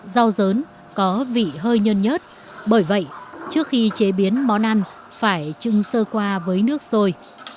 rau dớn có vị hơi nhân nhất bởi vậy trước khi chế biến món ăn phải trưng sơ qua với nước sôi